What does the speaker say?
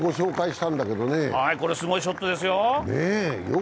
これ、すごいショットですよ。